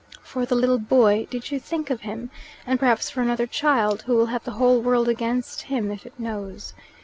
For the little boy did you think of him? And perhaps for another child, who will have the whole world against him if it knows.